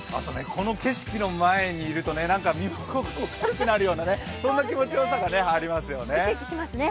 この景色の前にいると、身も心も軽くなるようなそんな気持ちよさがありますよね。